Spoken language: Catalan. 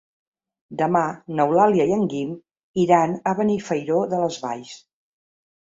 Demà n'Eulàlia i en Guim iran a Benifairó de les Valls.